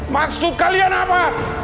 maksud kalian apa